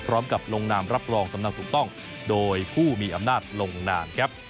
พร้อมกับลงนามรับรองสำเนาถูกต้องโดยผู้มีอำนาจลงนามครับ